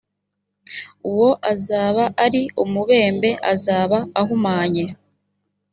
uwo azaba ari umubembe azaba ahumanye